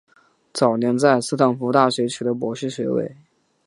早年在斯坦福大学取得博士学位。